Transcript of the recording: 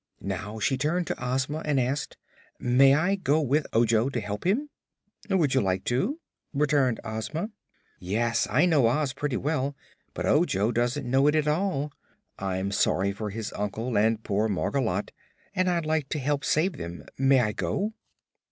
Now she turned to Ozma and asked: "May I go with Ojo, to help him?" "Would you like to?" returned Ozma. "Yes. I know Oz pretty well, but Ojo doesn't know it at all. I'm sorry for his uncle and poor Margolotte and I'd like to help save them. May I go?"